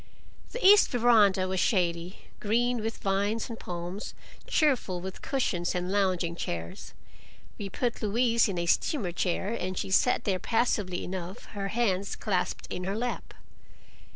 The east veranda was shady, green with vines and palms, cheerful with cushions and lounging chairs. We put Louise in a steamer chair, and she sat there passively enough, her hands clasped in her lap.